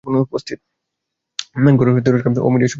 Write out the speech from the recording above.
গোরার তিরস্কারে অবিনাশ ক্ষুব্ধ হইয়া কহিল, আপনি অন্যায় বলছেন।